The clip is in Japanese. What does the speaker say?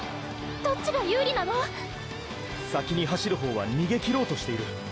どっちが有利なの⁉先に走る方は逃げきろうとしている。